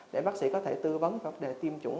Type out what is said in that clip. để bác sĩ có thể tư vấn đề tiêm chủng